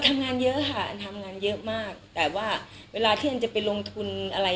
ทำงานเยอะค่ะอันทำงานเยอะมากแต่ว่าเวลาที่อันจะไปลงทุนอะไร